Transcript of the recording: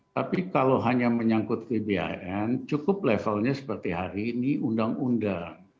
tapi kalau hanya menyangkut gbhn cukup levelnya seperti hari ini undang undang